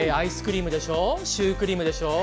シュークリームでしょ